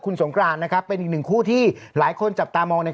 คุณสงกรานนะครับเป็นอีกหนึ่งคู่ที่หลายคนจับตามองใน